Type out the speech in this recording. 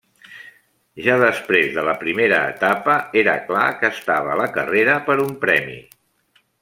Ja després de primera etapa era clar que estava a la carrera per un premi.